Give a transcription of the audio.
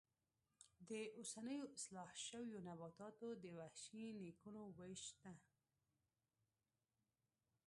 د اوسنیو اصلاح شویو نباتاتو د وحشي نیکونو وېش شته.